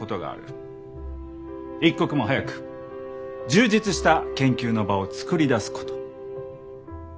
一刻も早く充実した研究の場を作り出すこと。